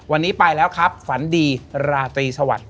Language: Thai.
วันนี้ไปแล้วครับฝันดีราตรีสวัสดิ